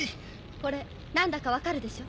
これ何だか分かるでしょ？